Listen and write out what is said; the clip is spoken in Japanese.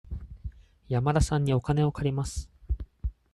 山田さんにお金を借ります。